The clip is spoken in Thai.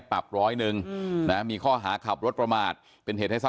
ผมไม่ได้พี่ผมบอกแล้วว่าผมขอโทษอ่ะ